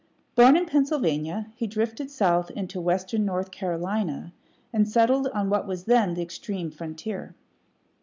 Born in Pennsylvania, he drifted south into western North Carolina, and settled on what was then the extreme frontier.